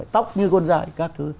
tóc như con dại các thứ